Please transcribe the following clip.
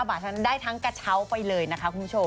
บาทฉันได้ทั้งกระเช้าไปเลยนะคะคุณผู้ชม